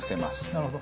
なるほど。